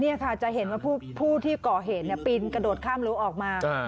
นี่ค่ะจะเห็นว่าผู้ที่ก่อเหตุปีนกระโดดข้ามรั้วออกมา